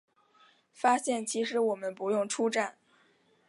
发现其实我们不用出站